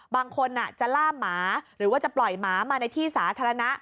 บางคนจะล่ามหมาหรือว่าจะปล่อยหมามาในที่สาธารณะ